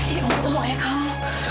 ibu ibu mau ke rumah ayah kamu